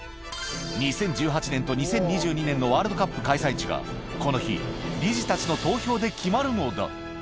２０１８年と２０２２年のワールドカップ開催地が、この日、理事たちの投票で決まるのだ。